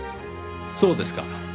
そうですか。